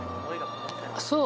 そう。